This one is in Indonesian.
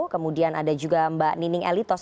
kemudian ada juga mbak nining elitos